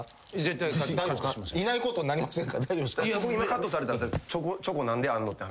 これ今カットされたらチョコ何であんのって話。